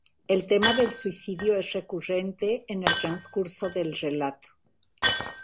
El tema del suicidio es recurrente en el transcurso del relato.